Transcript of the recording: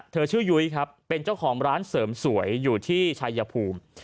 เธอชื่อยุ้ยครับเป็นเจ้าของร้านเสริมสวยอยู่ที่ชายภูมิ